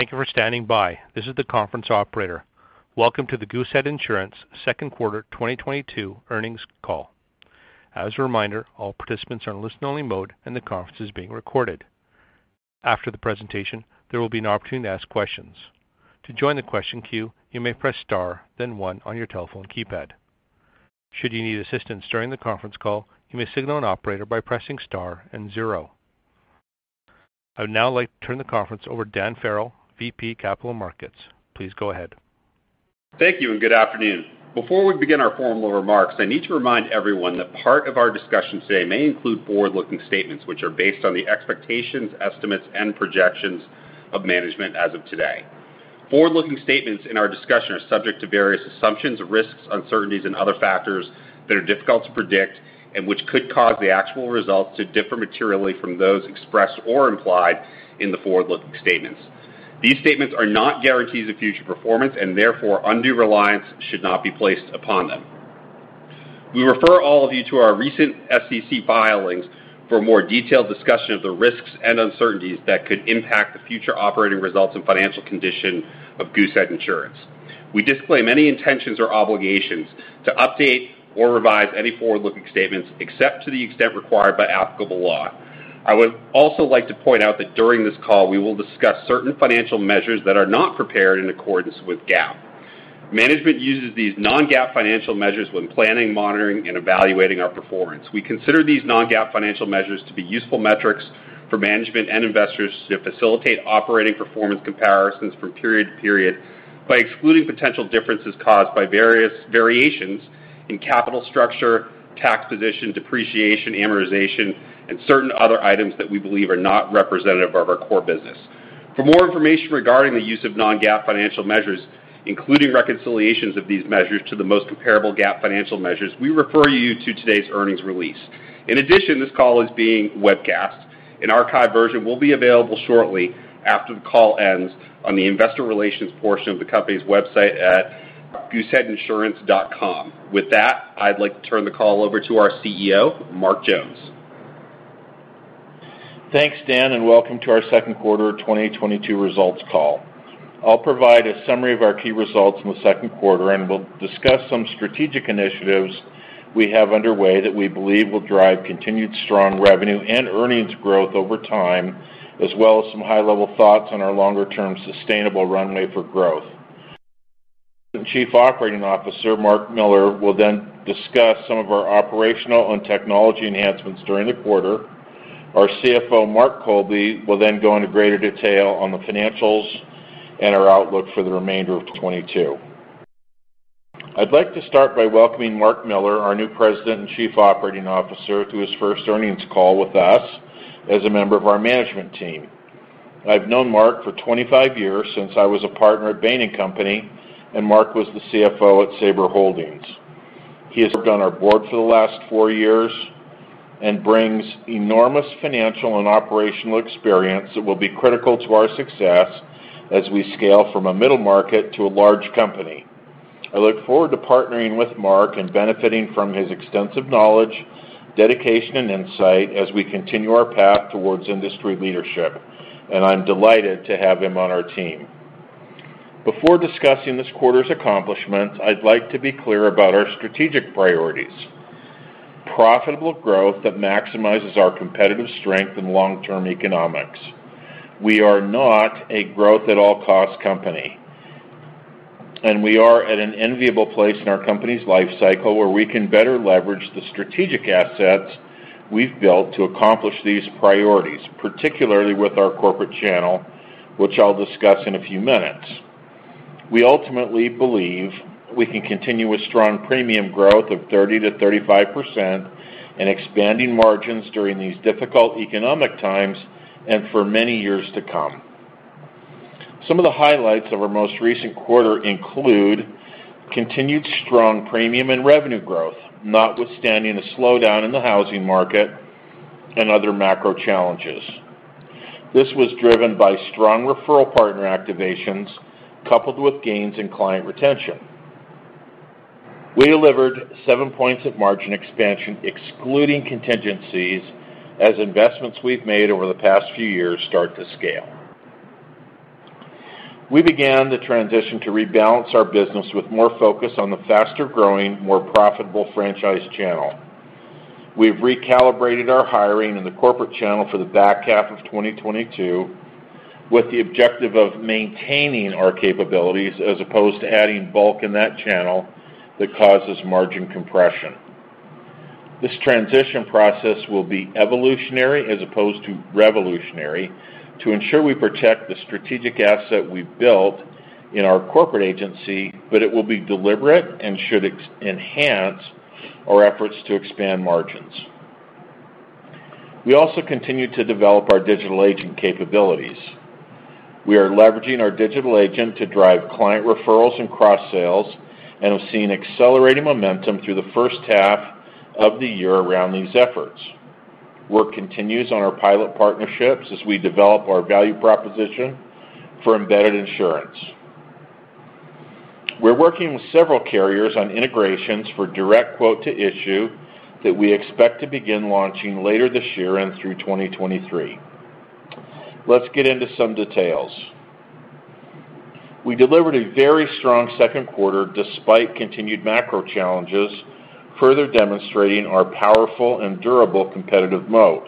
Thank you for standing by. This is the conference operator. Welcome to the Goosehead Insurance Second Quarter 2022 Earnings Call. As a reminder, all participants are in listen-only mode and the conference is being recorded. After the presentation, there will be an opportunity to ask questions. To join the question queue, you may press star then one on your telephone keypad. Should you need assistance during the conference call, you may signal an operator by pressing star and zero. I would now like to turn the conference over to Dan Farrell, VP, Capital Markets. Please go ahead. Thank you and good afternoon. Before we begin our formal remarks, I need to remind everyone that part of our discussion today may include forward-looking statements which are based on the expectations, estimates, and projections of management as of today. Forward-looking statements in our discussion are subject to various assumptions, risks, uncertainties, and other factors that are difficult to predict and which could cause the actual results to differ materially from those expressed or implied in the forward-looking statements. These statements are not guarantees of future performance, and therefore, undue reliance should not be placed upon them. We refer all of you to our recent SEC filings for a more detailed discussion of the risks and uncertainties that could impact the future operating results and financial condition of Goosehead Insurance. We disclaim any intentions or obligations to update or revise any forward-looking statements except to the extent required by applicable law. I would also like to point out that during this call, we will discuss certain financial measures that are not prepared in accordance with GAAP. Management uses these non-GAAP financial measures when planning, monitoring, and evaluating our performance. We consider these non-GAAP financial measures to be useful metrics for management and investors to facilitate operating performance comparisons from period to period by excluding potential differences caused by various variations in capital structure, tax position, depreciation, amortization, and certain other items that we believe are not representative of our core business. For more information regarding the use of non-GAAP financial measures, including reconciliations of these measures to the most comparable GAAP financial measures, we refer you to today's earnings release. In addition, this call is being webcast. An archived version will be available shortly after the call ends on the investor relations portion of the company's website at gooseheadinsurance.com. With that, I'd like to turn the call over to our CEO, Mark Jones. Thanks, Dan, and welcome to our second quarter of 2022 results call. I'll provide a summary of our key results in the second quarter, and we'll discuss some strategic initiatives we have underway that we believe will drive continued strong revenue and earnings growth over time, as well as some high-level thoughts on our longer-term sustainable runway for growth. The Chief Operating Officer, Mark Miller, will then discuss some of our operational and technology enhancements during the quarter. Our CFO, Mark Colby, will then go into greater detail on the financials and our outlook for the remainder of 2022. I'd like to start by welcoming Mark Miller, our new President and Chief Operating Officer, to his first earnings call with us as a member of our management team. I've known Mark for 25 years since I was a partner at Bain & Company, and Mark was the CFO at Sabre Holdings. He has served on our board for the last four years and brings enormous financial and operational experience that will be critical to our success as we scale from a middle market to a large company. I look forward to partnering with Mark and benefiting from his extensive knowledge, dedication, and insight as we continue our path towards industry leadership, and I'm delighted to have him on our team. Before discussing this quarter's accomplishments, I'd like to be clear about our strategic priorities. Profitable growth that maximizes our competitive strength and long-term economics. We are not a growth at all costs company, and we are at an enviable place in our company's life cycle where we can better leverage the strategic assets we've built to accomplish these priorities, particularly with our corporate channel, which I'll discuss in a few minutes. We ultimately believe we can continue with strong premium growth of 30%-35% and expanding margins during these difficult economic times and for many years to come. Some of the highlights of our most recent quarter include continued strong premium and revenue growth, not withstanding a slowdown in the housing market and other macro challenges. This was driven by strong referral partner activations coupled with gains in client retention. We delivered seven points of margin expansion, excluding contingencies, as investments we've made over the past few years start to scale. We began the transition to rebalance our business with more focus on the faster-growing, more profitable franchise channel. We've recalibrated our hiring in the corporate channel for the back half of 2022 with the objective of maintaining our capabilities as opposed to adding bulk in that channel that causes margin compression. This transition process will be evolutionary as opposed to revolutionary to ensure we protect the strategic asset we've built in our corporate agency, but it will be deliberate and should enhance our efforts to expand margins. We also continue to develop our Digital Agent capabilities. We are leveraging our Digital Agent to drive client referrals and cross-sales and have seen accelerating momentum through the first half of the year around these efforts. Work continues on our pilot partnerships as we develop our value proposition for embedded insurance. We're working with several carriers on integrations for direct quote-to-issue that we expect to begin launching later this year and through 2023. Let's get into some details. We delivered a very strong second quarter despite continued macro challenges, further demonstrating our powerful and durable competitive moat.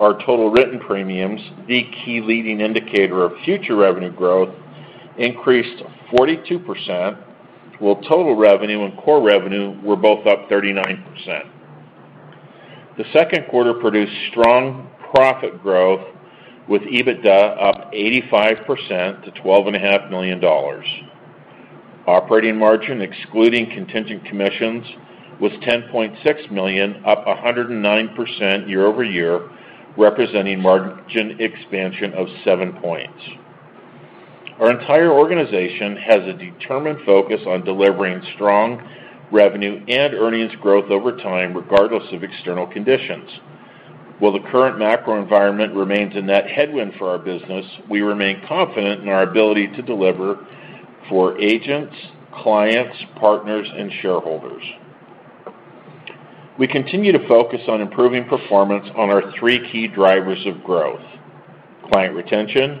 Our total written premiums, the key leading indicator of future revenue growth, increased 42%, while total revenue and core revenue were both up 39%. The second quarter produced strong profit growth with EBITDA up 85% to $12.5 million. Operating margin, excluding contingent commissions, was $10.6 million, up 109% year-over-year, representing margin expansion of seven points. Our entire organization has a determined focus on delivering strong revenue and earnings growth over time, regardless of external conditions. While the current macro environment remains a net headwind for our business, we remain confident in our ability to deliver for agents, clients, partners, and shareholders. We continue to focus on improving performance on our three key drivers of growth, client retention,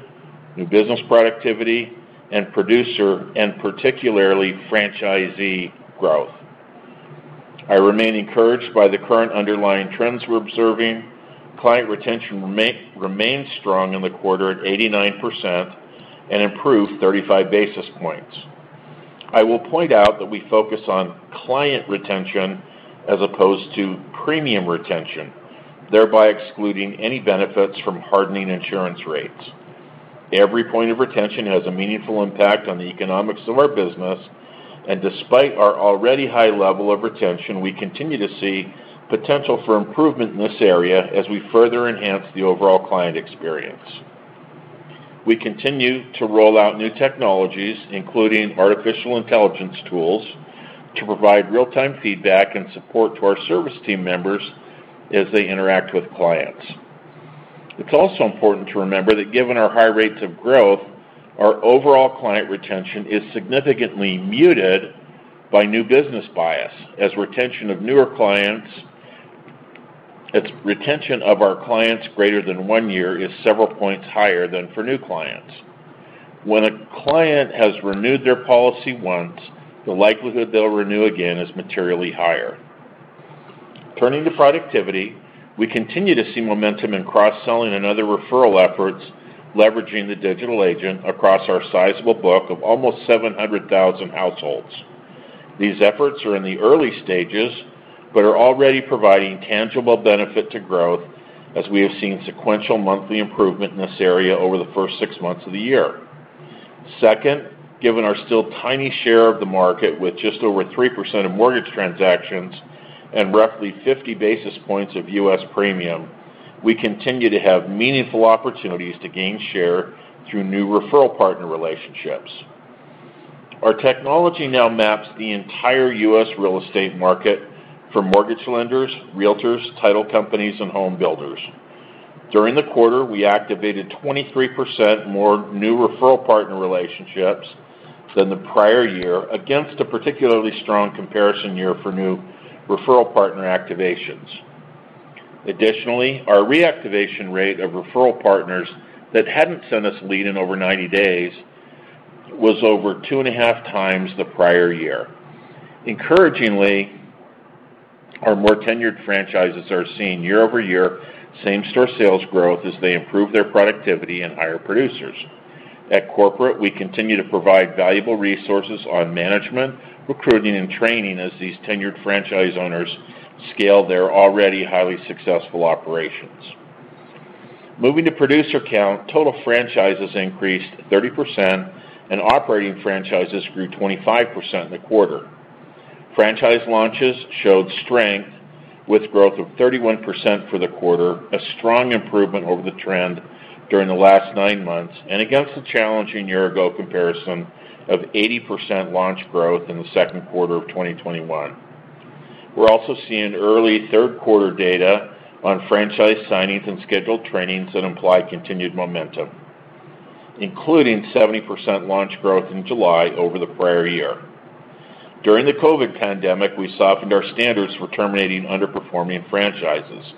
new business productivity, and producer, and particularly franchisee growth. I remain encouraged by the current underlying trends we're observing. Client retention remains strong in the quarter at 89% and improved 35 basis points. I will point out that we focus on client retention as opposed to premium retention, thereby excluding any benefits from hardening insurance rates. Every point of retention has a meaningful impact on the economics of our business, and despite our already high level of retention, we continue to see potential for improvement in this area as we further enhance the overall client experience. We continue to roll out new technologies, including artificial intelligence tools, to provide real-time feedback and support to our service team members as they interact with clients. It's also important to remember that given our high rates of growth, our overall client retention is significantly muted by new business bias. It's retention of our clients greater than one year is several points higher than for new clients. When a client has renewed their policy once, the likelihood they'll renew again is materially higher. Turning to productivity, we continue to see momentum in cross-selling and other referral efforts, leveraging the Digital Agent across our sizable book of almost 700,000 households. These efforts are in the early stages, but are already providing tangible benefit to growth as we have seen sequential monthly improvement in this area over the first six months of the year. Second, given our still tiny share of the market with just over 3% of mortgage transactions and roughly 50 basis points of U.S. premium, we continue to have meaningful opportunities to gain share through new referral partner relationships. Our technology now maps the entire U.S. real estate market for mortgage lenders, realtors, title companies, and home builders. During the quarter, we activated 23% more new referral partner relationships than the prior year against a particularly strong comparison year for new referral partner activations. Additionally, our reactivation rate of referral partners that hadn't sent us lead in over 90 days was over 2.5x the prior year. Encouragingly, our more tenured franchises are seeing year-over-year same-store sales growth as they improve their productivity and hire producers. At corporate, we continue to provide valuable resources on management, recruiting, and training as these tenured franchise owners scale their already highly successful operations. Moving to producer count, total franchises increased 30% and operating franchises grew 25% in the quarter. Franchise launches showed strength with growth of 31% for the quarter, a strong improvement over the trend during the last nine months and against the challenging year ago comparison of 80% launch growth in the second quarter of 2021. We're also seeing early third quarter data on franchise signings and scheduled trainings that imply continued momentum, including 70% launch growth in July over the prior year. During the COVID pandemic, we softened our standards for terminating underperforming franchises.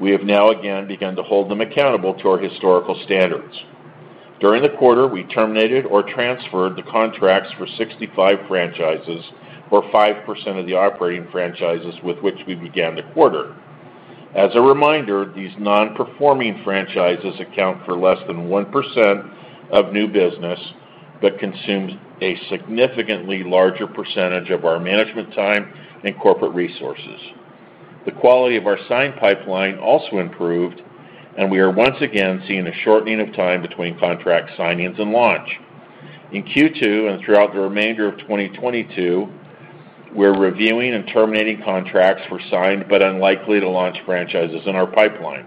We have now again begun to hold them accountable to our historical standards. During the quarter, we terminated or transferred the contracts for 65 franchises or 5% of the operating franchises with which we began the quarter. As a reminder, these non-performing franchises account for less than 1% of new business, but consume a significantly larger percentage of our management time and corporate resources. The quality of our signed pipeline also improved, and we are once again seeing a shortening of time between contract signings and launch. In Q2 and throughout the remainder of 2022, we're reviewing and terminating contracts for signed but unlikely to launch franchises in our pipeline.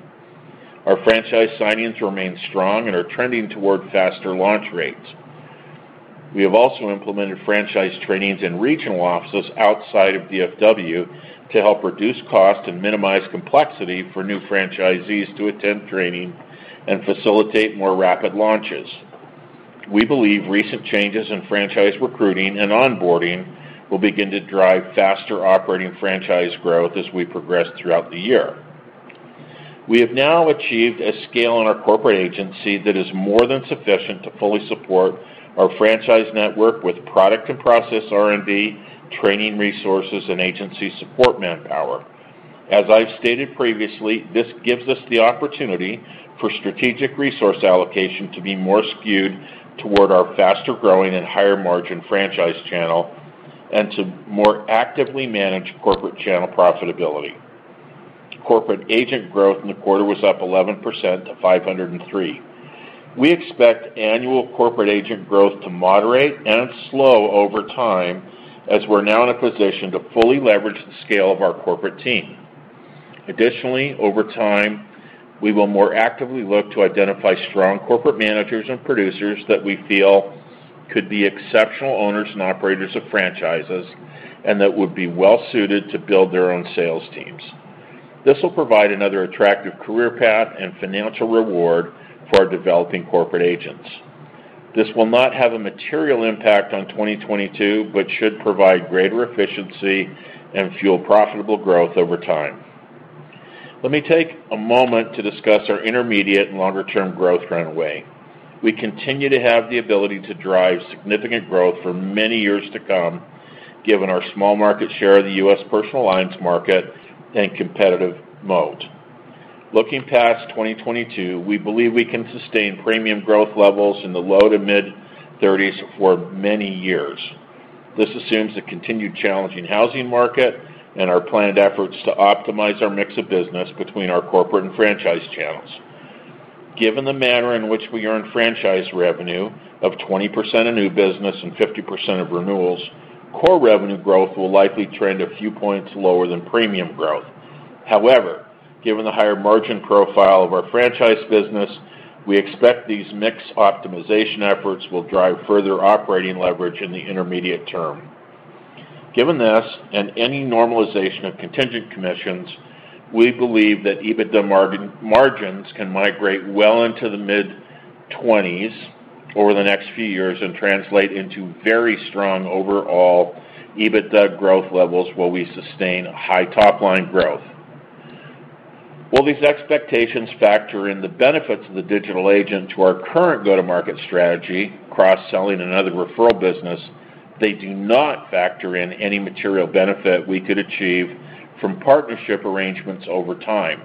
Our franchise signings remain strong and are trending toward faster launch rates. We have also implemented franchise trainings in regional offices outside of DFW to help reduce cost and minimize complexity for new franchisees to attend training and facilitate more rapid launches. We believe recent changes in franchise recruiting and onboarding will begin to drive faster operating franchise growth as we progress throughout the year. We have now achieved a scale in our corporate agency that is more than sufficient to fully support our franchise network with product and process R&D, training resources, and agency support manpower. As I've stated previously, this gives us the opportunity for strategic resource allocation to be more skewed toward our faster-growing and higher-margin franchise channel and to more actively manage corporate channel profitability. Corporate agent growth in the quarter was up 11% to 503. We expect annual corporate agent growth to moderate and slow over time as we're now in a position to fully leverage the scale of our corporate team. Additionally, over time, we will more actively look to identify strong corporate managers and producers that we feel could be exceptional owners and operators of franchises and that would be well suited to build their own sales teams. This will provide another attractive career path and financial reward for our developing corporate agents. This will not have a material impact on 2022, but should provide greater efficiency and fuel profitable growth over time. Let me take a moment to discuss our intermediate and longer-term growth runway. We continue to have the ability to drive significant growth for many years to come, given our small market share of the U.S. personal lines market and competitive moat. Looking past 2022, we believe we can sustain premium growth levels in the low- to mid-30s% for many years. This assumes a continued challenging housing market and our planned efforts to optimize our mix of business between our corporate and franchise channels. Given the manner in which we earn franchise revenue of 20% of new business and 50% of renewals, core revenue growth will likely trend a few points lower than premium growth. However, given the higher margin profile of our franchise business, we expect these mix optimization efforts will drive further operating leverage in the intermediate term. Given this and any normalization of contingent commissions, we believe that EBITDA margin, margins can migrate well into the mid-20s% over the next few years and translate into very strong overall EBITDA growth levels while we sustain high top-line growth. While these expectations factor in the benefits of the digital agent to our current go-to-market strategy, cross-selling another referral business, they do not factor in any material benefit we could achieve from partnership arrangements over time.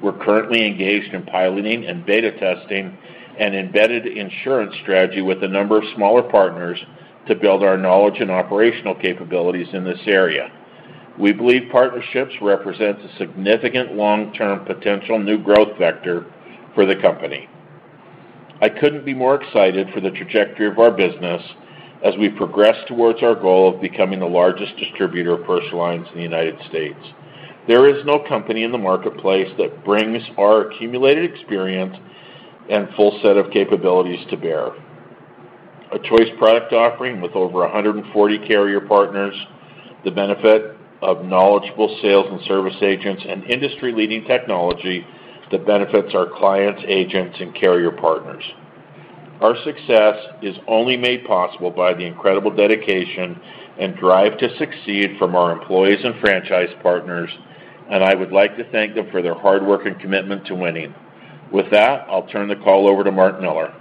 We're currently engaged in piloting and beta testing an embedded insurance strategy with a number of smaller partners to build our knowledge and operational capabilities in this area. We believe partnerships represent a significant long-term potential new growth vector for the company. I couldn't be more excited for the trajectory of our business as we progress towards our goal of becoming the largest distributor of personal lines in the United States. There is no company in the marketplace that brings our accumulated experience and full set of capabilities to bear. A choice product offering with over 140 carrier partners, the benefit of knowledgeable sales and service agents, and industry-leading technology that benefits our clients, agents, and carrier partners. Our success is only made possible by the incredible dedication and drive to succeed from our employees and franchise partners, and I would like to thank them for their hard work and commitment to winning. With that, I'll turn the call over to Mark Miller.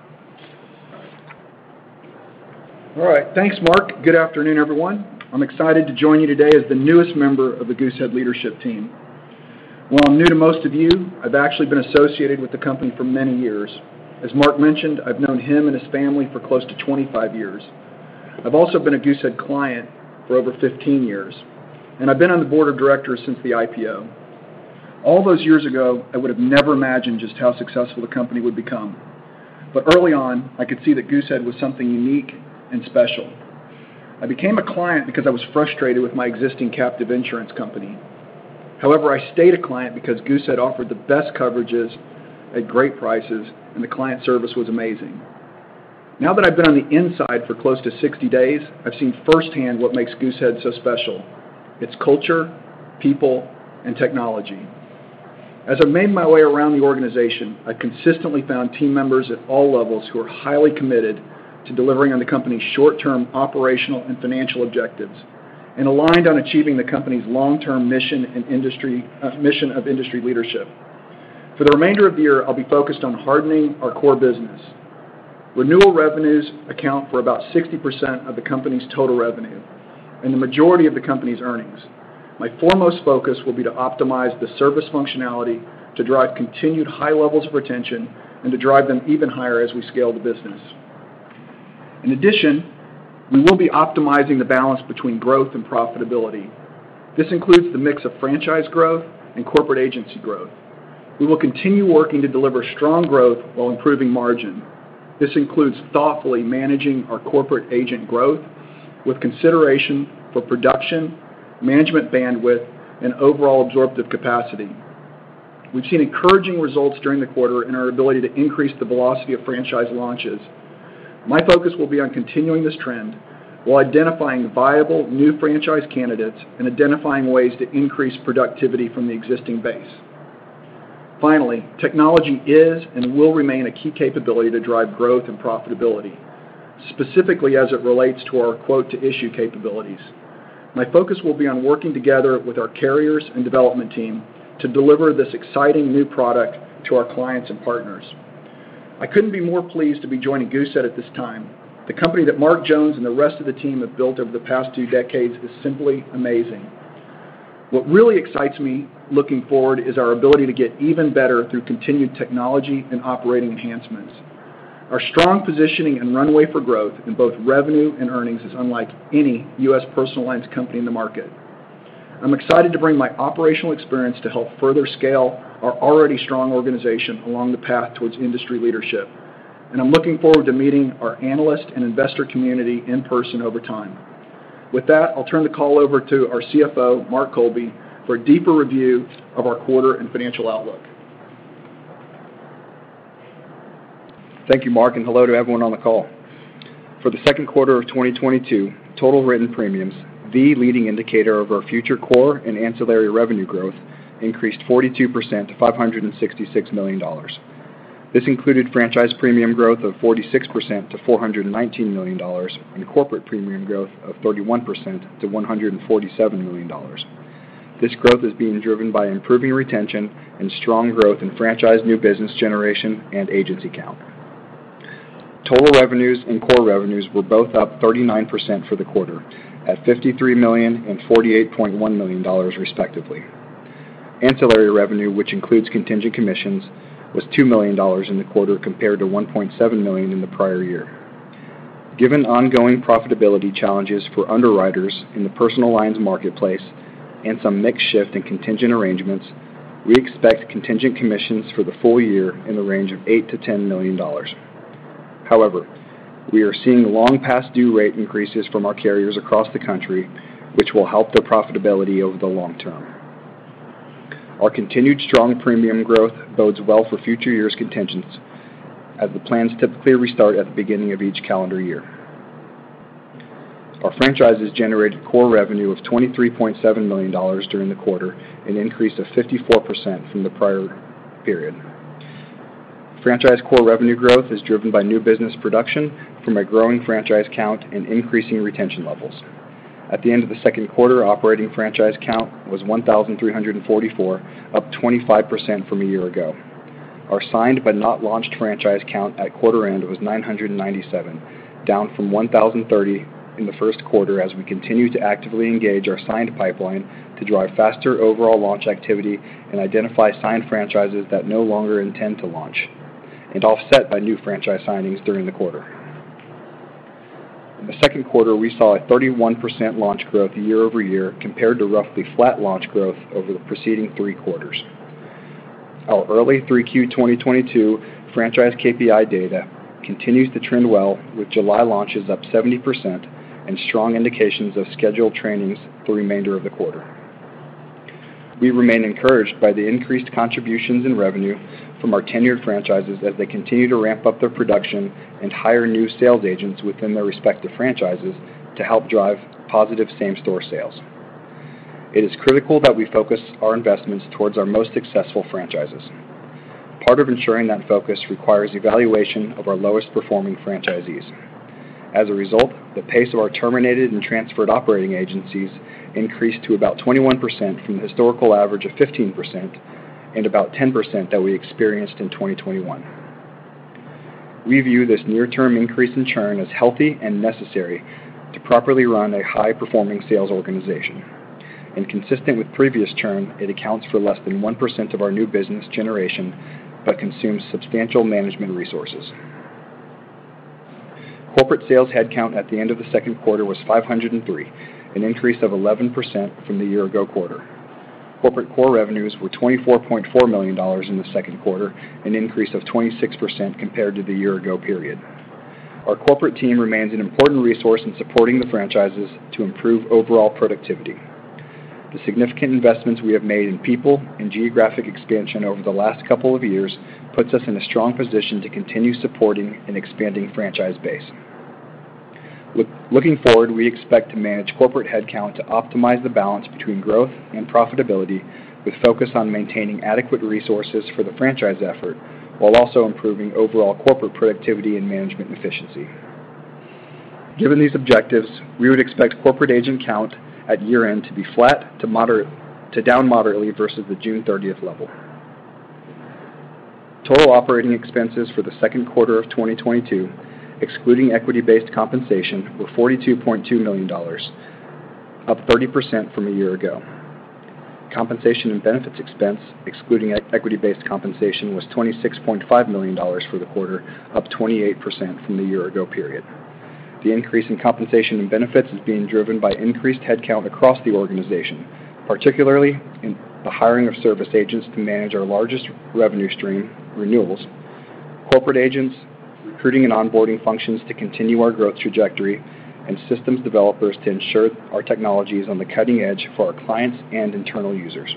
All right. Thanks, Mark. Good afternoon, everyone. I'm excited to join you today as the newest member of the Goosehead leadership team. While I'm new to most of you, I've actually been associated with the company for many years. As Mark mentioned, I've known him and his family for close to 25 years. I've also been a Goosehead client for over 15 years, and I've been on the board of directors since the IPO. All those years ago, I would have never imagined just how successful the company would become. Early on, I could see that Goosehead was something unique and special. I became a client because I was frustrated with my existing captive insurance company. However, I stayed a client because Goosehead offered the best coverages at great prices, and the client service was amazing. Now that I've been on the inside for close to 60 days, I've seen firsthand what makes Goosehead so special. Its culture, people, and technology. As I've made my way around the organization, I consistently found team members at all levels who are highly committed to delivering on the company's short-term operational and financial objectives and aligned on achieving the company's long-term mission of industry leadership. For the remainder of the year, I'll be focused on hardening our core business. Renewal revenues account for about 60% of the company's total revenue and the majority of the company's earnings. My foremost focus will be to optimize the service functionality to drive continued high levels of retention and to drive them even higher as we scale the business. In addition, we will be optimizing the balance between growth and profitability. This includes the mix of franchise growth and corporate agency growth. We will continue working to deliver strong growth while improving margin. This includes thoughtfully managing our corporate agent growth with consideration for production, management bandwidth, and overall absorptive capacity. We've seen encouraging results during the quarter in our ability to increase the velocity of franchise launches. My focus will be on continuing this trend while identifying viable new franchise candidates and identifying ways to increase productivity from the existing base. Finally, technology is and will remain a key capability to drive growth and profitability, specifically as it relates to our quote-to-issue capabilities. My focus will be on working together with our carriers and development team to deliver this exciting new product to our clients and partners. I couldn't be more pleased to be joining Goosehead at this time. The company that Mark Jones and the rest of the team have built over the past two decades is simply amazing. What really excites me looking forward is our ability to get even better through continued technology and operating enhancements. Our strong positioning and runway for growth in both revenue and earnings is unlike any U.S. personal lines company in the market. I'm excited to bring my operational experience to help further scale our already strong organization along the path towards industry leadership, and I'm looking forward to meeting our analyst and investor community in person over time. With that, I'll turn the call over to our CFO, Mark Colby, for a deeper review of our quarter and financial outlook. Thank you, Mark, and hello to everyone on the call. For the second quarter of 2022, total written premiums, the leading indicator of our future core and ancillary revenue growth, increased 42% to $566 million. This included franchise premium growth of 46% to $419 million and corporate premium growth of 31% to $147 million. This growth is being driven by improving retention and strong growth in franchise new business generation and agency count. Total revenues and core revenues were both up 39% for the quarter at $53 million and $48.1 million, respectively. Ancillary revenue, which includes contingent commissions, was $2 million in the quarter compared to $1.7 million in the prior year. Given ongoing profitability challenges for underwriters in the personal lines marketplace and some mix shift in contingent arrangements, we expect contingent commissions for the full year in the range of $8 million-$10 million. However, we are seeing long past due rate increases from our carriers across the country, which will help their profitability over the long term. Our continued strong premium growth bodes well for future years' contingents as the plans typically restart at the beginning of each calendar year. Our franchises generated core revenue of $23.7 million during the quarter, an increase of 54% from the prior period. Franchise core revenue growth is driven by new business production from a growing franchise count and increasing retention levels. At the end of the second quarter, operating franchise count was 1,344, up 25% from a year ago. Our signed but not launched franchise count at quarter end was 997, down from 1,030 in the first quarter as we continue to actively engage our signed pipeline to drive faster overall launch activity and identify signed franchises that no longer intend to launch and offset by new franchise signings during the quarter. In the second quarter, we saw a 31% launch growth year-over-year compared to roughly flat launch growth over the preceding three quarters. Our early Q3 2022 franchise KPI data continues to trend well with July launches up 70% and strong indications of scheduled trainings the remainder of the quarter. We remain encouraged by the increased contributions in revenue from our tenured franchises as they continue to ramp up their production and hire new sales agents within their respective franchises to help drive positive same-store sales. It is critical that we focus our investments towards our most successful franchises. Part of ensuring that focus requires evaluation of our lowest performing franchisees. As a result, the pace of our terminated and transferred operating agencies increased to about 21% from the historical average of 15% and about 10% that we experienced in 2021. We view this near-term increase in churn as healthy and necessary to properly run a high-performing sales organization. Consistent with previous churn, it accounts for less than 1% of our new business generation, but consumes substantial management resources. Corporate sales headcount at the end of the second quarter was 503, an increase of 11% from the year ago quarter. Corporate core revenues were $24.4 million in the second quarter, an increase of 26% compared to the year ago period. Our corporate team remains an important resource in supporting the franchises to improve overall productivity. The significant investments we have made in people and geographic expansion over the last couple of years puts us in a strong position to continue supporting an expanding franchise base. Looking forward, we expect to manage corporate headcount to optimize the balance between growth and profitability with focus on maintaining adequate resources for the franchise effort while also improving overall corporate productivity and management efficiency. Given these objectives, we would expect corporate agent count at year-end to be flat to moderately down versus the June 30 level. Total operating expenses for the second quarter of 2022, excluding equity-based compensation, were $42.2 million, up 30% from a year ago. Compensation and benefits expense, excluding equity-based compensation, was $26.5 million for the quarter, up 28% from the year ago period. The increase in compensation and benefits is being driven by increased headcount across the organization, particularly in the hiring of service agents to manage our largest revenue stream renewals, corporate agents, recruiting and onboarding functions to continue our growth trajectory, and systems developers to ensure our technology is on the cutting edge for our clients and internal users.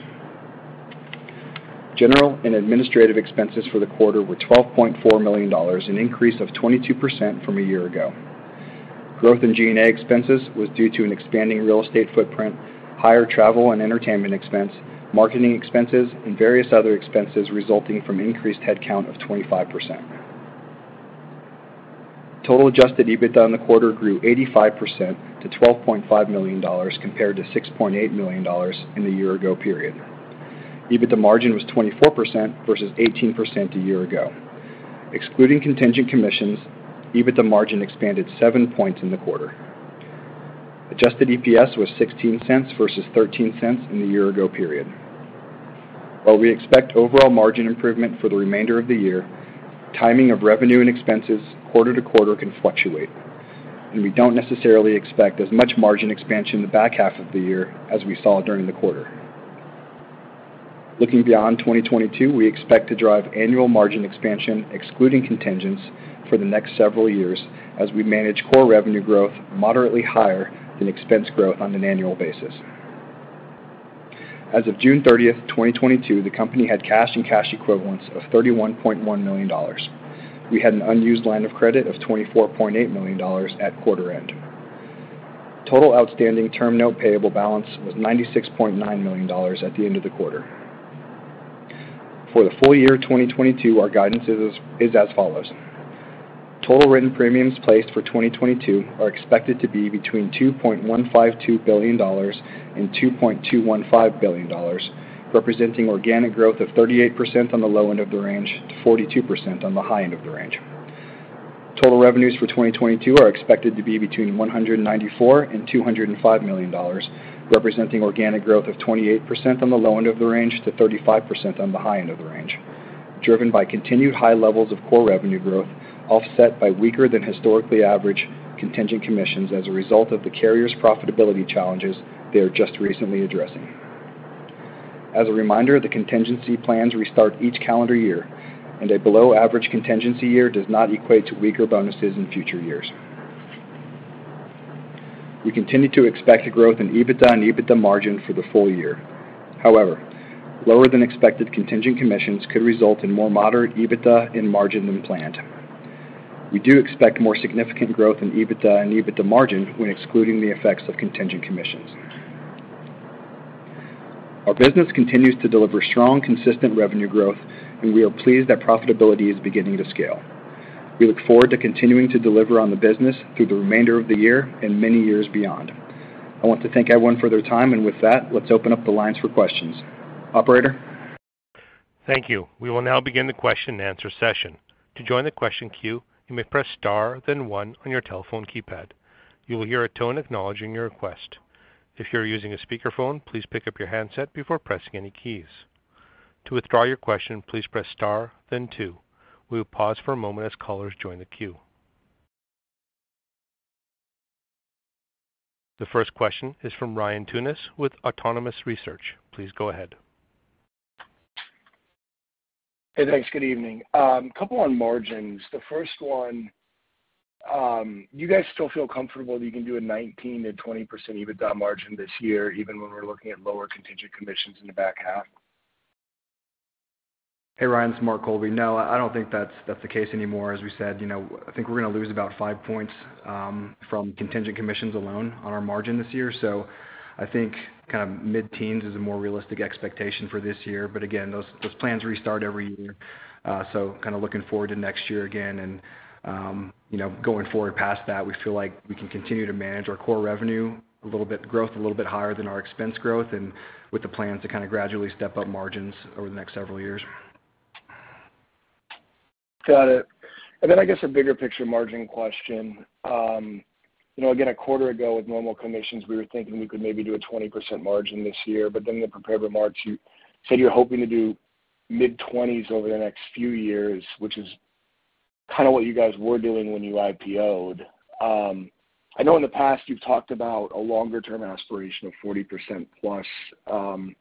General and administrative expenses for the quarter were $12.4 million, an increase of 22% from a year ago. Growth in G&A expenses was due to an expanding real estate footprint, higher travel and entertainment expense, marketing expenses, and various other expenses resulting from increased headcount of 25%. Total adjusted EBITDA in the quarter grew 85% to $12.5 million compared to $6.8 million in the year ago period. EBITDA margin was 24% versus 18% a year ago. Excluding contingent commissions, EBITDA margin expanded seven points in the quarter. Adjusted EPS was $0.16 versus $0.13 in the year ago period. While we expect overall margin improvement for the remainder of the year, timing of revenue and expenses quarter to quarter can fluctuate, and we don't necessarily expect as much margin expansion in the back half of the year as we saw during the quarter. Looking beyond 2022, we expect to drive annual margin expansion, excluding contingents for the next several years as we manage core revenue growth moderately higher than expense growth on an annual basis. As of June 30, 2022, the company had cash and cash equivalents of $31.1 million. We had an unused line of credit of $24.8 million at quarter end. Total outstanding term note payable balance was $96.9 million at the end of the quarter. For the full year 2022, our guidance is as follows. Total written premiums placed for 2022 are expected to be between $2.152 billion and $2.215 billion, representing organic growth of 38%-42%. Total revenues for 2022 are expected to be between $194 million and $205 million, representing organic growth of 28% on the low end of the range to 35% on the high end of the range, driven by continued high levels of core revenue growth, offset by weaker than historically average contingent commissions as a result of the carrier's profitability challenges they are just recently addressing. As a reminder, the contingent commissions restart each calendar year, and a below average contingent commission year does not equate to weaker bonuses in future years. We continue to expect growth in EBITDA and EBITDA margin for the full year. However, lower than expected contingent commissions could result in more moderate EBITDA and margin than planned. We do expect more significant growth in EBITDA and EBITDA margin when excluding the effects of contingent commissions. Our business continues to deliver strong, consistent revenue growth, and we are pleased that profitability is beginning to scale. We look forward to continuing to deliver on the business through the remainder of the year and many years beyond. I want to thank everyone for their time, and with that, let's open up the lines for questions. Operator? Thank you. We will now begin the question and answer session. To join the question queue, you may press star, then one on your telephone keypad. You will hear a tone acknowledging your request. If you are using a speakerphone, please pick up your handset before pressing any keys. To withdraw your question, please press star then two. We will pause for a moment as callers join the queue. The first question is from Ryan Tunis with Autonomous Research. Please go ahead. Hey, thanks. Good evening. Couple on margins. The first one, you guys still feel comfortable that you can do a 19%-20% EBITDA margin this year, even when we're looking at lower contingent commissions in the back half? Hey, Ryan, it's Mark Colby. No, I don't think that's the case anymore. As we said, you know, I think we're going to lose about five points from contingent commissions alone on our margin this year. I think kind of mid-teens is a more realistic expectation for this year. Again, those plans restart every year. Kind of looking forward to next year again and, you know, going forward past that, we feel like we can continue to manage our core revenue a little bit, growth a little bit higher than our expense growth and with the plan to kind of gradually step up margins over the next several years. Got it. I guess a bigger picture margin question. You know, again, a quarter ago with normal commissions, we were thinking we could maybe do a 20% margin this year, but then in the prepared remarks, you said you're hoping to do mid-20s% over the next few years, which is kind of what you guys were doing when you IPO'd. I know in the past you've talked about a longer-term aspiration of 40%+.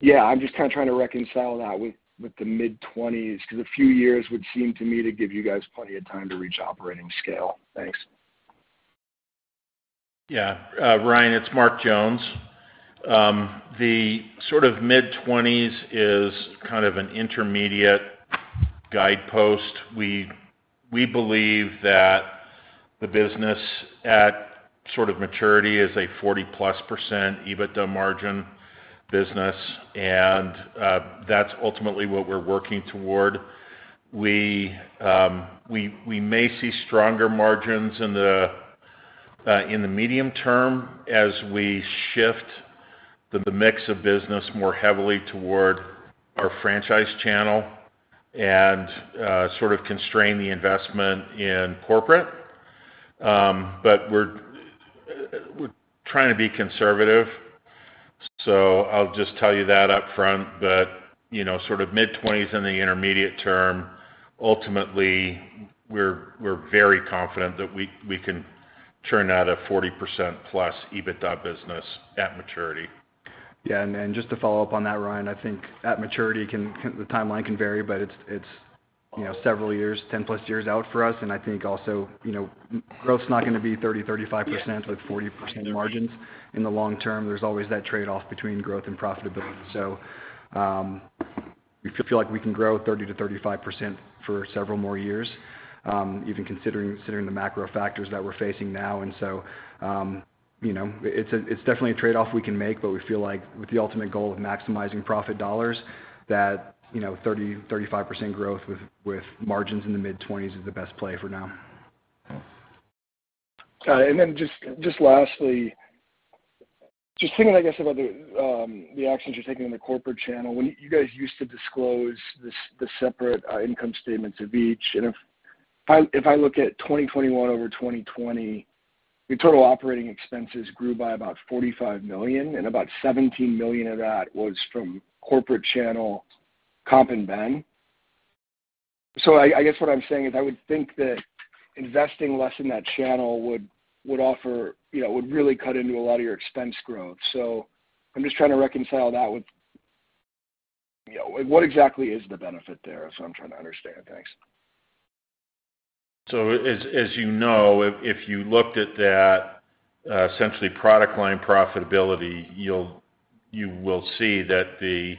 Yeah, I'm just kind of trying to reconcile that with the mid-20s%, 'cause a few years would seem to me to give you guys plenty of time to reach operating scale. Thanks. Yeah. Ryan, it's Mark Jones. The sort of mid-20s% is kind of an intermediate guidepost. We believe that the business at sort of maturity is a 40%+ EBITDA margin business, and that's ultimately what we're working toward. We may see stronger margins in the medium term as we shift the mix of business more heavily toward our franchise channel and sort of constrain the investment in corporate. We're trying to be conservative. I'll just tell you that up front. You know, sort of mid-20s% in the intermediate term, ultimately, we're very confident that we can churn out a 40%+ EBITDA business at maturity. Yeah. Just to follow up on that, Ryan, I think at maturity the timeline can vary, but it's you know, several years, 10+ years out for us. I think also, you know, growth's not gonna be 30%-35% with 40% margins in the long term. There's always that trade-off between growth and profitability. We feel like we can grow 30%-35% for several more years, even considering the macro factors that we're facing now. You know, it's definitely a trade-off we can make, but we feel like with the ultimate goal of maximizing profit dollars that, you know, 30%-35% growth with margins in the mid-20s% is the best play for now. Got it. Then just lastly, thinking, I guess, about the actions you're taking in the corporate channel. You guys used to disclose the separate income statements of each. If I look at 2021 over 2020, your total operating expenses grew by about $45 million, and about $17 million of that was from corporate channel comp and G&A. I guess what I'm saying is I would think that investing less in that channel would offer, you know, really cut into a lot of your expense growth. I'm just trying to reconcile that with, you know, what exactly is the benefit there. That's what I'm trying to understand. Thanks. As you know, if you looked at that essentially product line profitability, you will see that the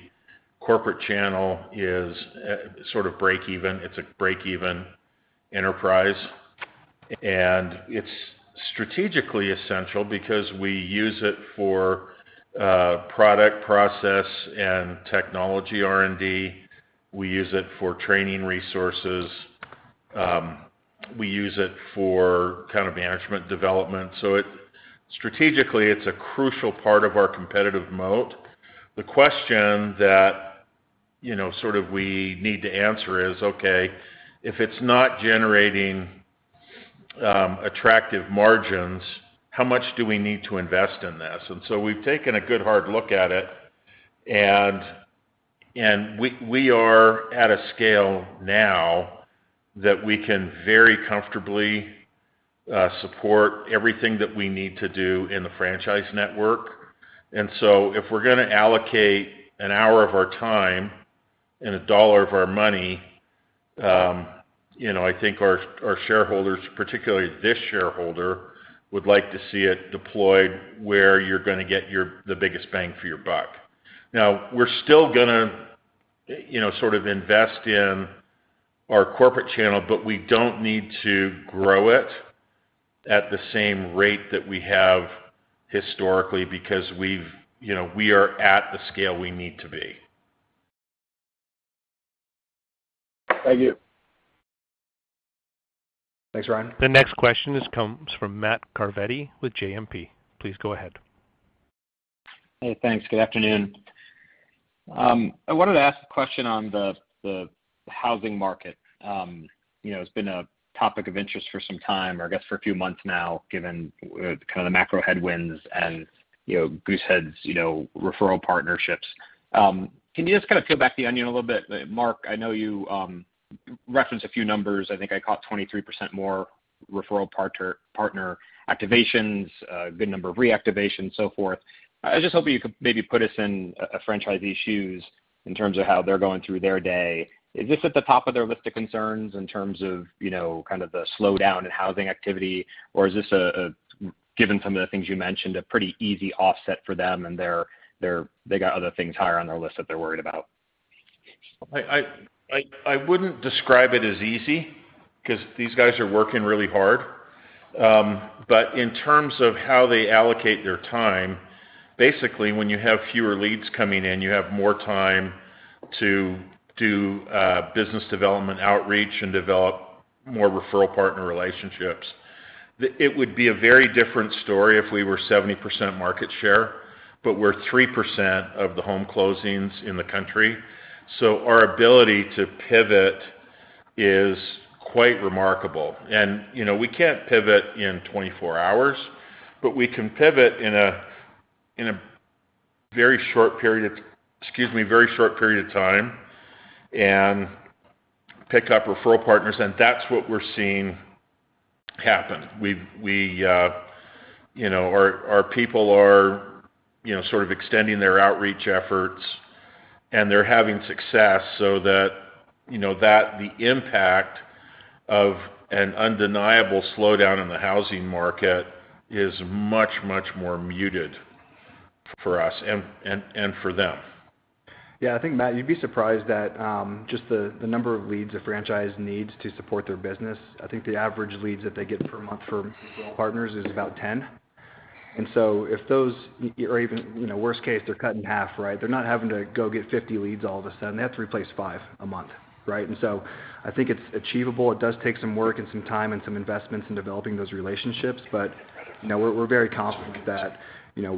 corporate channel is sort of breakeven. It's a breakeven enterprise. It's strategically essential because we use it for product, process, and technology R&D. We use it for training resources. We use it for kind of management development. Strategically, it's a crucial part of our competitive moat. The question that you know sort of we need to answer is, okay, if it's not generating attractive margins, how much do we need to invest in this? We've taken a good hard look at it, and we are at a scale now that we can very comfortably support everything that we need to do in the franchise network. If we're gonna allocate an hour of our time and a dollar of our money, you know, I think our shareholders, particularly this shareholder, would like to see it deployed where you're gonna get the biggest bang for your buck. Now, we're still gonna, you know, sort of invest in our corporate channel, but we don't need to grow it at the same rate that we have historically because we've, you know, we are at the scale we need to be. Thank you. Thanks, Ryan. The next question comes from Matt Carletti with JMP. Please go ahead. Hey, thanks. Good afternoon. I wanted to ask a question on the housing market. You know, it's been a topic of interest for some time, or I guess for a few months now, given kind of the macro headwinds and, you know, Goosehead's referral partnerships. Can you just kind of peel back the onion a little bit? Mark, I know you referenced a few numbers. I think I caught 23% more referral partner activations, a good number of reactivations, so forth. I was just hoping you could maybe put us in a franchisee shoes in terms of how they're going through their day. Is this at the top of their list of concerns in terms of, you know, kind of the slowdown in housing activity, or is this, given some of the things you mentioned, a pretty easy offset for them and they got other things higher on their list that they're worried about? I wouldn't describe it as easy because these guys are working really hard. But in terms of how they allocate their time, basically, when you have fewer leads coming in, you have more time to do business development outreach and develop more referral partner relationships. It would be a very different story if we were 70% market share, but we're 3% of the home closings in the country. Our ability to pivot is quite remarkable. You know, we can't pivot in 24 hours, but we can pivot in a very short period of time and pick up referral partners, and that's what we're seeing happen. We, you know, our people are, you know, sort of extending their outreach efforts, and they're having success so that, you know, that the impact of an undeniable slowdown in the housing market is much, much more muted for us and for them. Yeah, I think, Matt, you'd be surprised at just the number of leads a franchise needs to support their business. I think the average leads that they get per month for partners is about 10. If those or even, you know, worst case, they're cut in half, right? They're not having to go get 50 leads all of a sudden. They have to replace five a month, right? I think it's achievable. It does take some work and some time and some investments in developing those relationships. You know, we're very confident that, you know,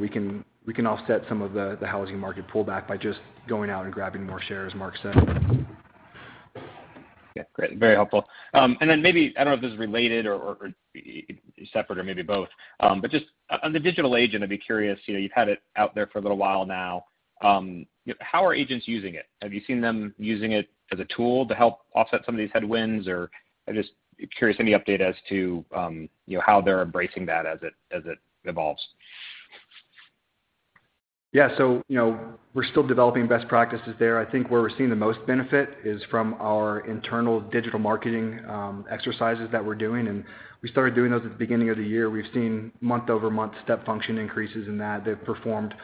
we can offset some of the housing market pullback by just going out and grabbing more shares, Mark said. Yeah. Great. Very helpful. Maybe, I don't know if this is related or separate or maybe both. Just on the Digital Agent, I'd be curious, you know, you've had it out there for a little while now, how are agents using it? Have you seen them using it as a tool to help offset some of these headwinds? I'm just curious, any update as to, you know, how they're embracing that as it evolves? Yeah. You know, we're still developing best practices there. I think where we're seeing the most benefit is from our internal digital marketing exercises that we're doing, and we started doing those at the beginning of the year. We've seen month-over-month step function increases in that. They've performed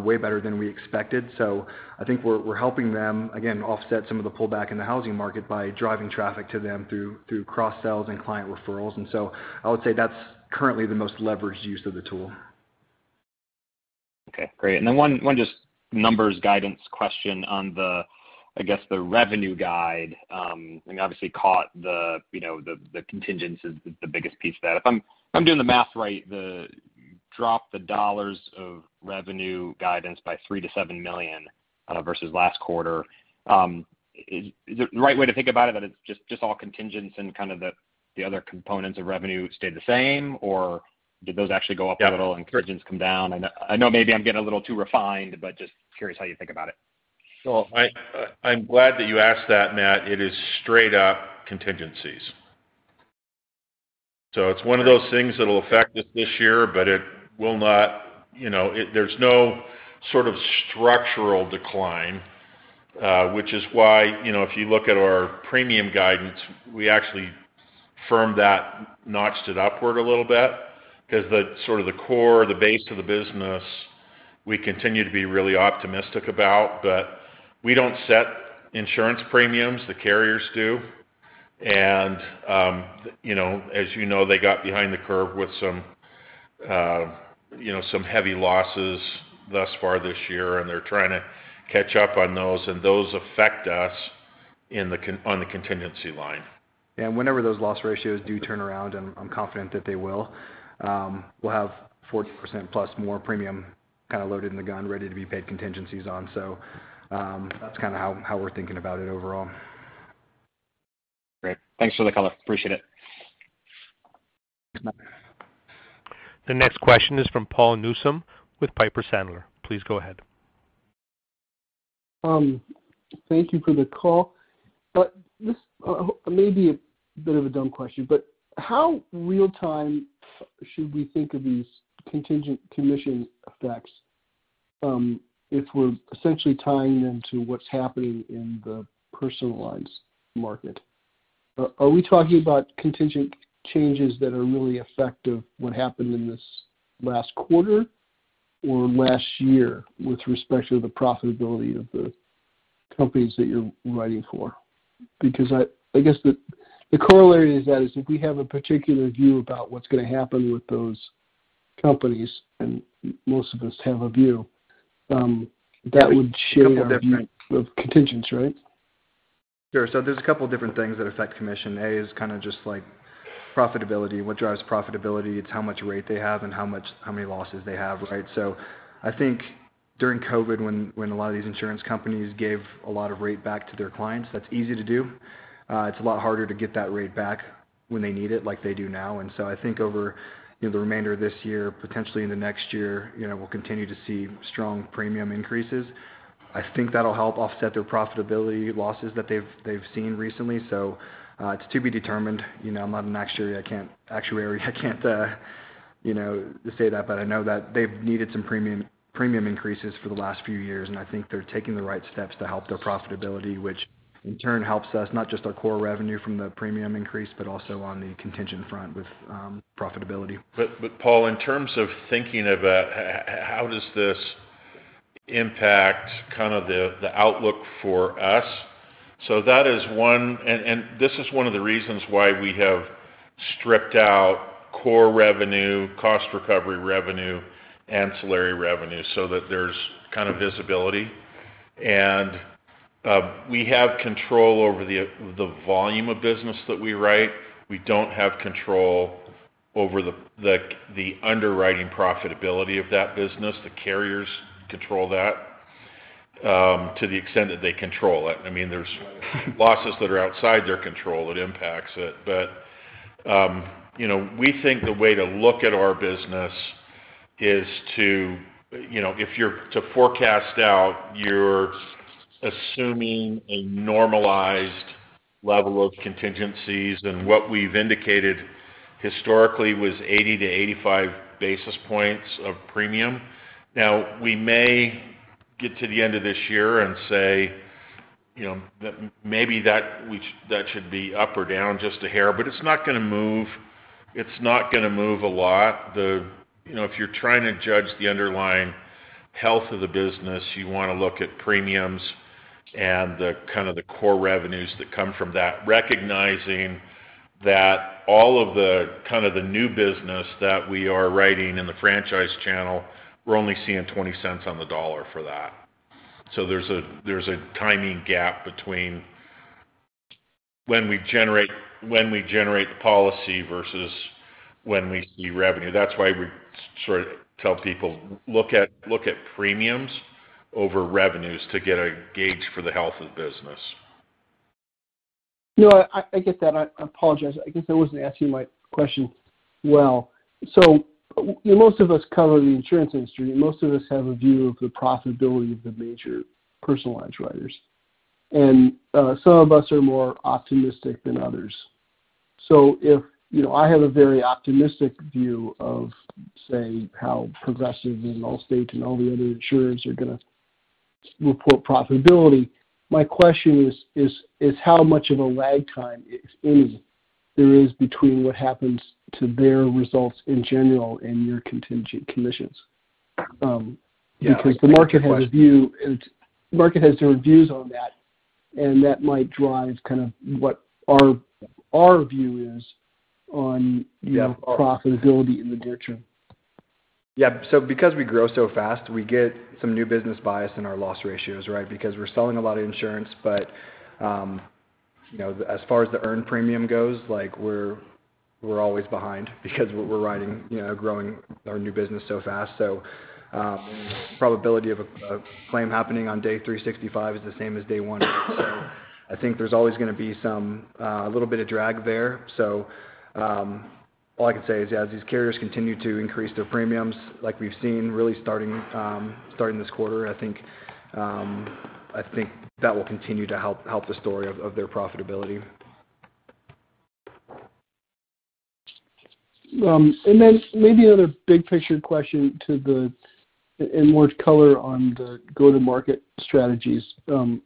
way better than we expected. I think we're helping them, again, offset some of the pullback in the housing market by driving traffic to them through cross-sells and client referrals. I would say that's currently the most leveraged use of the tool. Okay, great. Then one just numbers guidance question on the, I guess, the revenue guide. Obviously caught the, you know, the contingents is the biggest piece of that. If I'm doing the math right, the drop, the dollars of revenue guidance by $3 million-$7 million versus last quarter, is the right way to think about it that it's just all contingents and kind of the other components of revenue stayed the same or did those actually go up a little? Yeah. Contingents come down? I know maybe I'm getting a little too refined, but just curious how you think about it. I'm glad that you asked that, Matt. It is straight up contingencies. It's one of those things that'll affect us this year, but it will not, there's no sort of structural decline, which is why, you know, if you look at our premium guidance, we actually firmed that, notched it upward a little bit 'cause the sort of the core, the base of the business we continue to be really optimistic about. We don't set insurance premiums, the carriers do. You know, as you know, they got behind the curve with some, you know, some heavy losses thus far this year, and they're trying to catch up on those, and those affect us on the contingency line. Whenever those loss ratios do turn around, and I'm confident that they will, we'll have 40%+ more premium kind of loaded in the gun ready to be paid contingencies on. That's kinda how we're thinking about it overall. Great. Thanks for the color. Appreciate it. Thanks, Matt. The next question is from Paul Newsome with Piper Sandler. Please go ahead. Thank you for the call. This may be a bit of a dumb question, but how real-time should we think of these contingent commission effects, if we're essentially tying them to what's happening in the personal lines market? Are we talking about contingent changes that are really reflective of what happened in this last quarter or last year with respect to the profitability of the companies that you're writing for? Because I guess the corollary to that is if we have a particular view about what's gonna happen with those companies, and most of us have a view, that would shape our view. A couple different- of contingents, right? Sure. So there's a couple different things that affect commission. A is kind of just like profitability. What drives profitability? It's how many losses they have, right? I think during COVID, when a lot of these insurance companies gave a lot of rate back to their clients, that's easy to do. It's a lot harder to get that rate back when they need it like they do now. I think over, you know, the remainder of this year, potentially in the next year, you know, we'll continue to see strong premium increases. I think that'll help offset their profitability losses that they've seen recently. It's to be determined. You know, I'm not an actuary. I can't, you know, say that, but I know that they've needed some premium increases for the last few years, and I think they're taking the right steps to help their profitability, which in turn helps us, not just our core revenue from the premium increase, but also on the contingent front with profitability. Paul, in terms of thinking about how does this impact kind of the outlook for us, so that is one. This is one of the reasons why we have stripped out core revenue, cost recovery revenue, ancillary revenue so that there's kind of visibility. We have control over the volume of business that we write. We don't have control over the, like, the underwriting profitability of that business. The carriers control that, to the extent that they control it. I mean, there's losses that are outside their control that impacts it. You know, we think the way to look at our business is to, you know, if you're to forecast out, you're assuming a normalized level of contingencies. What we've indicated historically was 80-85 basis points of premium. Now, we may get to the end of this year and say, you know, that maybe that should be up or down just a hair, but it's not gonna move. It's not gonna move a lot. You know, if you're trying to judge the underlying health of the business, you wanna look at premiums and the kind of the core revenues that come from that, recognizing that all of the kind of the new business that we are writing in the franchise channel, we're only seeing $0.20 on the dollar for that. So there's a timing gap between when we generate the policy versus when we see revenue. That's why we sort of tell people, look at premiums over revenues to get a gauge for the health of the business. No, I get that. I apologize. I guess I wasn't asking my question well. Most of us cover the insurance industry, and most of us have a view of the profitability of the major personal lines writers. Some of us are more optimistic than others. If, you know, I have a very optimistic view of, say, how Progressive and Allstate and all the other insurers are gonna report profitability, my question is how much of a lag time is there between what happens to their results in general and your contingent commissions. Yeah. Because the market has a view. Market has their views on that, and that might drive kind of what our view is on. Yeah. You know, profitability in the near term. Yeah. Because we grow so fast, we get some new business bias in our loss ratios, right? Because we're selling a lot of insurance. You know, as far as the earned premium goes, like, we're always behind because we're writing, you know, growing our new business so fast. Probability of a claim happening on day 365 is the same as day 1. I think there's always gonna be some a little bit of drag there. All I can say is as these carriers continue to increase their premiums, like we've seen really starting this quarter, I think that will continue to help the story of their profitability. Maybe another big picture question. In more color on the go-to-market strategies. To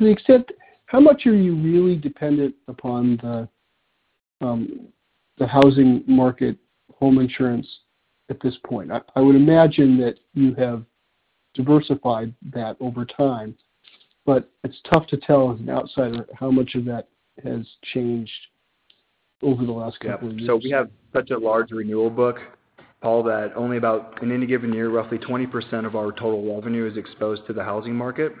the extent, how much are you really dependent upon the housing market home insurance at this point? I would imagine that you have diversified that over time, but it's tough to tell as an outsider how much of that has changed over the last couple of years. Yeah. We have such a large renewal book, Paul, that only about in any given year, roughly 20% of our total revenue is exposed to the housing market,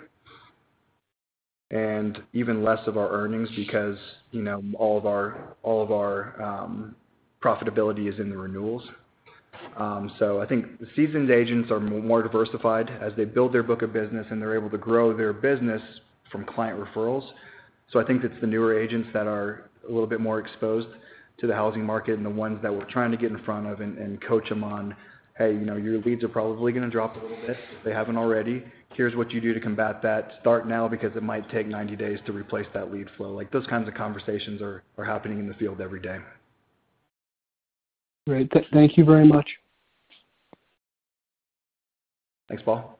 and even less of our earnings because, you know, all of our profitability is in the renewals. I think seasoned agents are more diversified as they build their book of business, and they're able to grow their business from client referrals. I think it's the newer agents that are a little bit more exposed to the housing market and the ones that we're trying to get in front of and coach them on, "Hey, you know, your leads are probably gonna drop a little bit if they haven't already. Here's what you do to combat that. Start now because it might take 90 days to replace that lead flow." Like, those kinds of conversations are happening in the field every day. Great. Thank you very much. Thanks, Paul.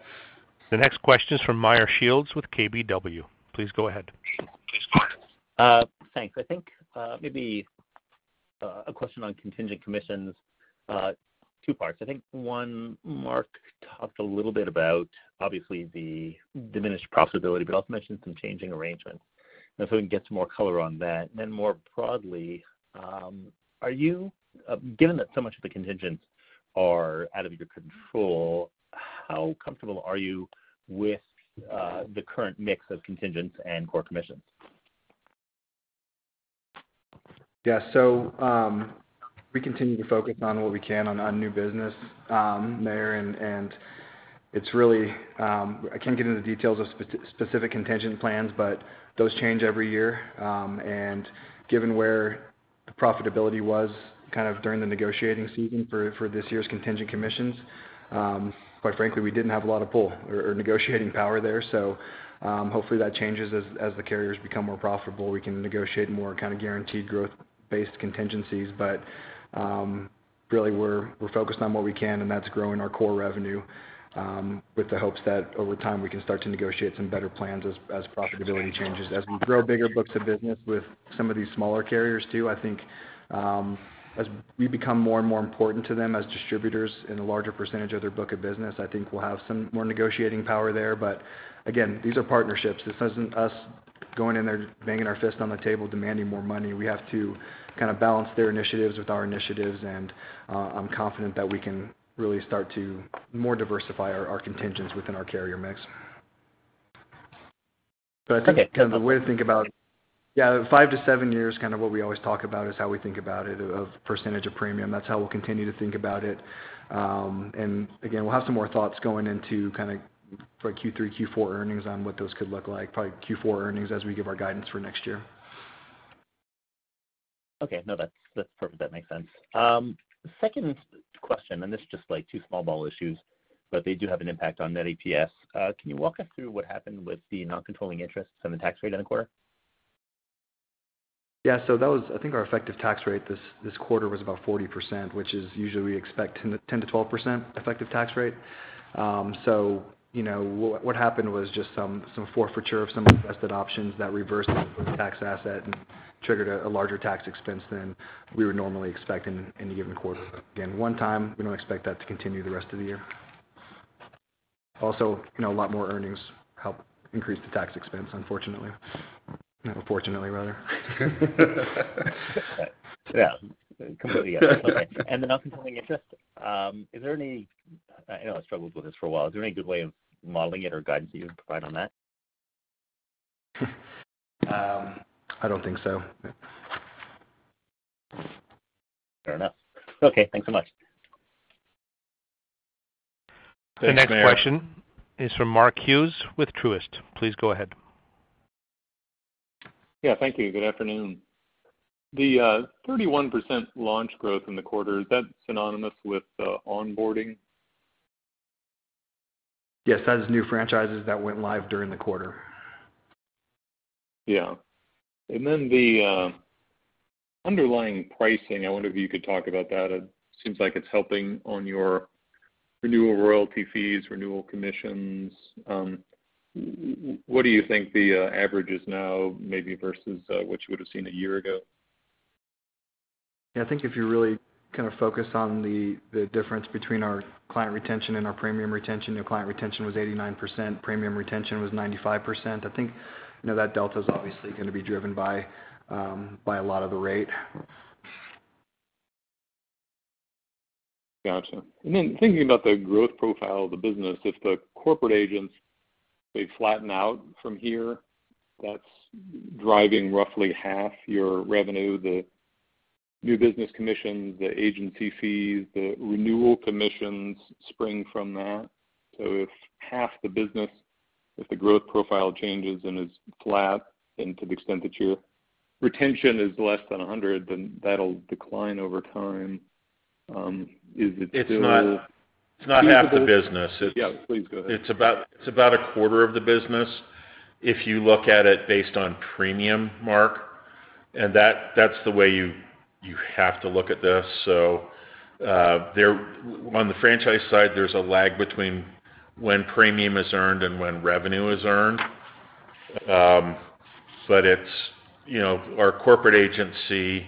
The next question is from Meyer Shields with KBW. Please go ahead. Thanks. I think maybe a question on contingent commissions. Two parts. I think one, Mark talked a little bit about obviously the diminished profitability, but also mentioned some changing arrangements. If we can get some more color on that. More broadly, are you, given that so much of the contingents are out of your control, how comfortable are you with the current mix of contingents and core commissions? Yeah. We continue to focus on what we can on new business there and it's really I can't get into the details of specific contingent plans, but those change every year. Given where the profitability was kind of during the negotiating season for this year's contingent commissions, quite frankly, we didn't have a lot of pull or negotiating power there. Hopefully that changes as the carriers become more profitable. We can negotiate more kind of guaranteed growth-based contingencies. Really we're focused on what we can, and that's growing our core revenue, with the hopes that over time we can start to negotiate some better plans as profitability changes. As we grow bigger books of business with some of these smaller carriers too, I think, as we become more and more important to them as distributors in a larger percentage of their book of business, I think we'll have some more negotiating power there. But again, these are partnerships. This isn't us going in there banging our fist on the table, demanding more money. We have to kind of balance their initiatives with our initiatives, and, I'm confident that we can really start to more diversify our contingents within our carrier mix. Okay. I think kind of the way to think about five to seven years, kind of what we always talk about is how we think about it of percentage of premium. That's how we'll continue to think about it. Again, we'll have some more thoughts going into kind of for Q3, Q4 earnings on what those could look like, probably Q4 earnings as we give our guidance for next year. Okay. No. That's perfect. That makes sense. Second question, this is just like two small ball issues, but they do have an impact on net EPS. Can you walk us through what happened with the non-controlling interest and the tax rate in the quarter? Yeah. That was I think our effective tax rate this quarter was about 40%, which is usually we expect 10%-12% effective tax rate. You know, what happened was just some forfeiture of some vested options that reversed tax asset and triggered a larger tax expense than we would normally expect in a given quarter. Again, one time, we don't expect that to continue the rest of the year. Also, you know, a lot more earnings help increase the tax expense, unfortunately. Or fortunately, rather. Yeah. Completely. Okay. The non-controlling interest, I know I struggled with this for a while. Is there any good way of modeling it or guidance that you would provide on that? I don't think so. Fair enough. Okay. Thanks so much. The next question is from Mark Hughes with Truist. Please go ahead. Yeah. Thank you. Good afternoon. The 31% launch growth in the quarter, is that synonymous with onboarding? Yes, that is new franchises that went live during the quarter. Yeah. The underlying pricing. I wonder if you could talk about that. It seems like it's helping on your renewal royalty fees, renewal commissions. What do you think the average is now maybe versus what you would have seen a year ago? Yeah. I think if you really kind of focus on the difference between our client retention and our premium retention, the client retention was 89%, premium retention was 95%. I think, you know, that delta is obviously going to be driven by a lot of the rate. Got you. Then thinking about the growth profile of the business, if the corporate agents, they flatten out from here, that's driving roughly half your revenue, the new business commissions, the agency fees, the renewal commissions spring from that. If half the business, if the growth profile changes and is flat, and to the extent that your retention is less than 100, then that'll decline over time. Is it still? It's not half the business. Yeah, please go ahead. It's about a quarter of the business. If you look at it based on premium, Mark, and that's the way you have to look at this. On the franchise side, there's a lag between when premium is earned and when revenue is earned. It's, you know, our corporate agency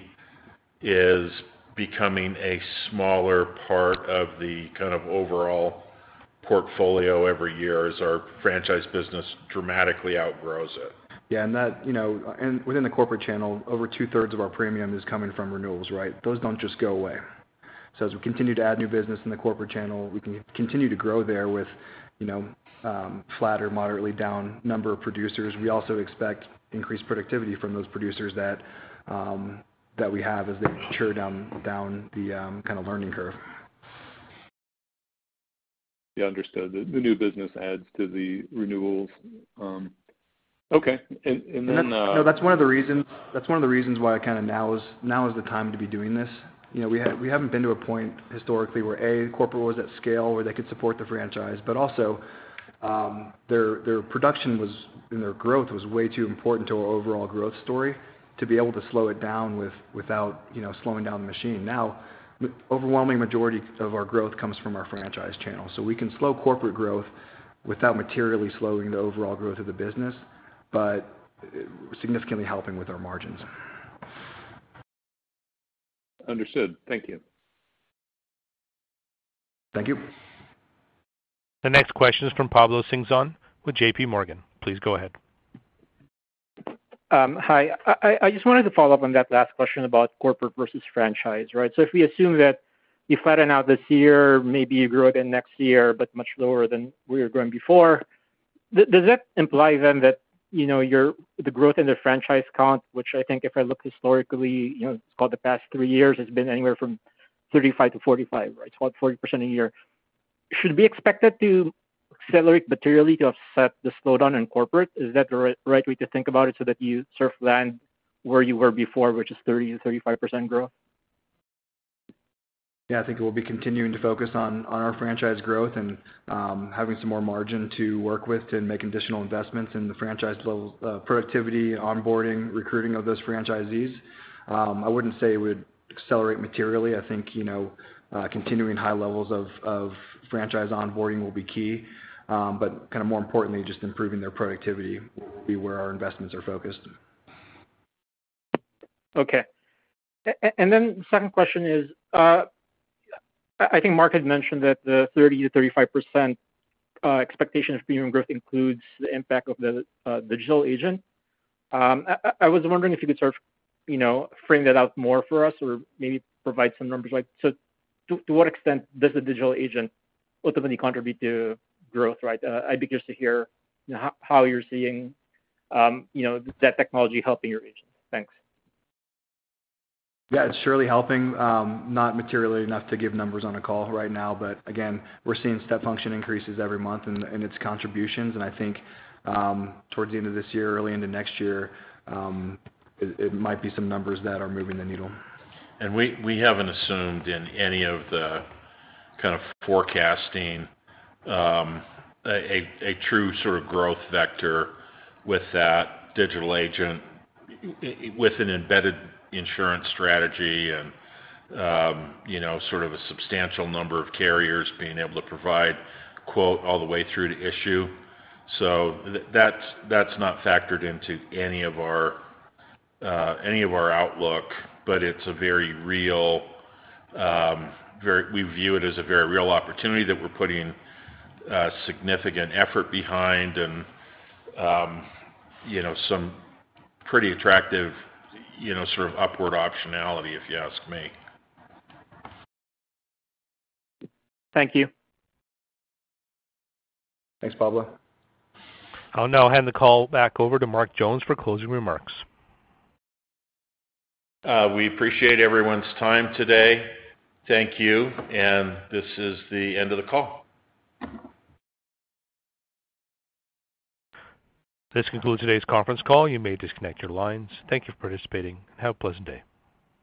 is becoming a smaller part of the kind of overall portfolio every year as our franchise business dramatically outgrows it. Yeah. That, you know, and within the corporate channel, over 2/3 of our premium is coming from renewals, right? Those don't just go away. As we continue to add new business in the corporate channel, we can continue to grow there with, you know, flat or moderately down number of producers. We also expect increased productivity from those producers that we have as they mature down the kind of learning curve. Yeah, understood. The new business adds to the renewals. Okay. No, that's one of the reasons why kind of now is the time to be doing this. You know, we haven't been to a point historically where, A, corporate was at scale where they could support the franchise, but also their production was, and their growth was way too important to our overall growth story to be able to slow it down without, you know, slowing down the machine. Now, the overwhelming majority of our growth comes from our franchise channel. So we can slow corporate growth without materially slowing the overall growth of the business, but significantly helping with our margins. Understood. Thank you. Thank you. The next question is from Pablo Singzon with J.P. Morgan. Please go ahead. Hi. I just wanted to follow up on that last question about corporate versus franchise, right? If we assume that you flatten out this year, maybe you grow it in next year, but much lower than we were growing before, does that imply then that, you know, your the growth in the franchise count, which I think if I look historically, you know, over the past three years, it's been anywhere from 35-45, right? It's about 40% a year. Should we expect that to accelerate materially to offset the slowdown in corporate? Is that the right way to think about it so that you sort of land where you were before, which is 30%-35% growth? Yeah, I think we'll be continuing to focus on our franchise growth and having some more margin to work with to make additional investments in the franchise level productivity, onboarding, recruiting of those franchisees. I wouldn't say we'd accelerate materially. I think, you know, continuing high levels of franchise onboarding will be key. Kind of more importantly, just improving their productivity will be where our investments are focused. Okay. Second question is, I think Mark had mentioned that the 30%-35% expectation of premium growth includes the impact of the digital agent. I was wondering if you could sort of, you know, frame that out more for us or maybe provide some numbers. Like, so to what extent does the digital agent ultimately contribute to growth, right? I'd be curious to hear how you're seeing, you know, that technology helping your agent. Thanks. Yeah, it's surely helping, not materially enough to give numbers on a call right now. Again, we're seeing step function increases every month and its contributions. I think, towards the end of this year, early into next year, it might be some numbers that are moving the needle. We haven't assumed in any of the kind of forecasting a true sort of growth vector with that Digital Agent with an embedded insurance strategy and you know sort of a substantial number of carriers being able to provide quote all the way through to issue. That's not factored into any of our outlook, but we view it as a very real opportunity that we're putting significant effort behind and you know some pretty attractive you know sort of upward optionality, if you ask me. Thank you. Thanks, Pablo. I'll now hand the call back over to Mark Jones for closing remarks. We appreciate everyone's time today. Thank you. This is the end of the call. This concludes today's conference call. You may disconnect your lines. Thank you for participating and have a pleasant day.